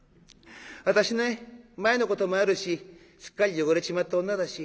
私ね前のこともあるしすっかり汚れちまった女だし